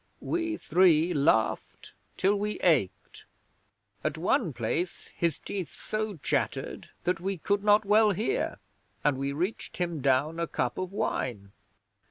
We three laughed till we ached. At one place his teeth so chattered that we could not well hear, and we reached him down a cup of wine.